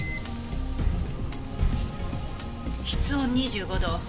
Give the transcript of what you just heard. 室温２５度。